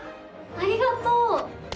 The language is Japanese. ありがとう！